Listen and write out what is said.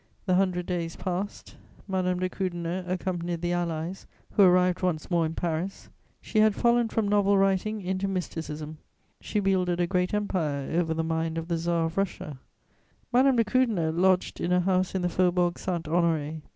The Hundred Days passed. Madame de Krüdener accompanied the Allies, who arrived once more in Paris. She had fallen from novel writing into mysticism; she wielded a great empire over the mind of the Tsar of Russia. Madame de Krüdener lodged in a house in the Faubourg Saint Honoré.